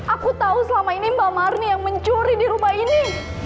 aku tahu selama ini mbak marni yang mencuri di rumah ini